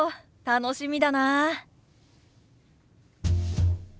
楽しみだなあ。